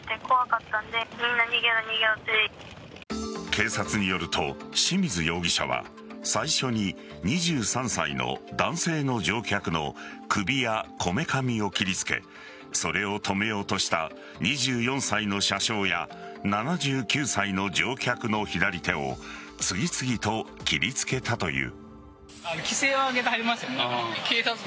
警察によると、清水容疑者は最初に２３歳の男性の乗客の首やこめかみを切りつけそれを止めようとした２４歳の車掌や７９歳の乗客の左手を次々と切りつけたという。